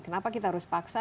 kenapa kita harus paksa